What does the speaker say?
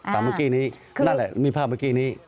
เมื่อกี้นี้นั่นแหละมีภาพเมื่อกี้นี้